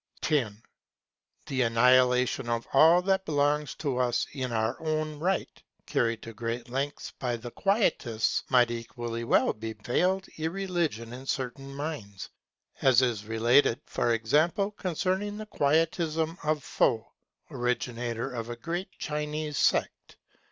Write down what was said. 10. The annihilation of all that belongs to us in our own right, carried to great lengths by the Quietists, might equally well be veiled irreligion in certain minds, as is related, for example, concerning the Quietism of Foë, originator of a great Chinese sect.